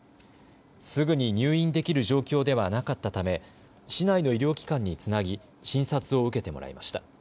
すぐに入院できる状況ではなかったため市内の医療機関につなぎ診察を受けてもらいました。